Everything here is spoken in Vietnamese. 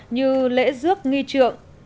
như lễ dước nghi trượng